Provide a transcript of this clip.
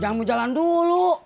jangan mau jalan dulu